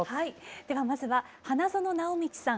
ではまずは花園直道さん